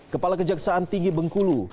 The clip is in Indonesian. kepala kejaksaan tinggi bengkulu